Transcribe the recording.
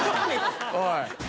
おい。